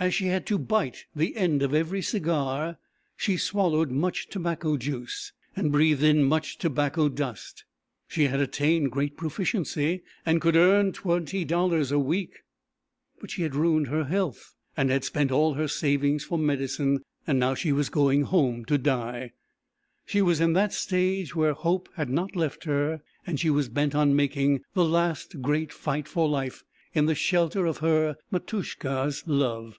As she had to bite the end of every cigar, she swallowed much tobacco juice, and breathed in much tobacco dust. She had attained great proficiency and could earn twenty dollars a week; but she had ruined her health, had spent all her savings for medicine and now was going home to die. She was in that stage where hope had not left her, and she was bent on making the last great fight for life in the shelter of her "Matushka's" love.